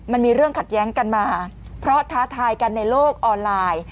มันมีเรื่องขัดแย้งกันมาเพราะท้าทายกันในโลกออนไลน์